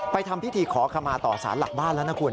ทำพิธีขอขมาต่อสารหลักบ้านแล้วนะคุณ